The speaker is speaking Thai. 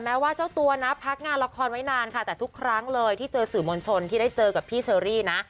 แม้ว่าเจ้าตัวนะพักงานละครไว้นานค่ะแต่ทุกครั้งเลยที่เจอสื่อมวลชนที่ได้เจอกับพี่เชอรี่นะ